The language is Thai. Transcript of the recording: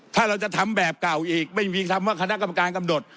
ถ้าเราจะทำแบบเก่าอีกไม่มีคำว่าคณะกรรมการกำหนด